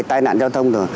tai nạn giao thông